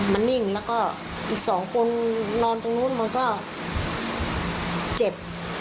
มันนิ่งแล้วก็อีกสองคนนอนตรงนู้นมันก็เจ็บ